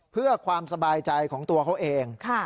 เพื่อความสบายใจของตัวเขาเอง